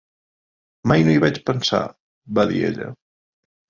"Mai no hi vaig pensar!", va dir ella.